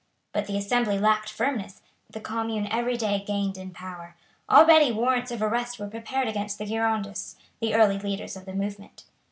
But the Assembly lacked firmness, the Commune every day gained in power. Already warrants of arrest were prepared against the Girondists, the early leaders of the movement.